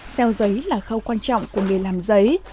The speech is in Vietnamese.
seo giấy là khâu quan trọng của người làm giấy